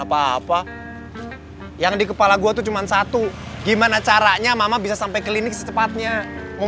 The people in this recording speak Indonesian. apa apa yang di kepala gue tuh cuman satu gimana caranya mama bisa sampai klinik secepatnya mau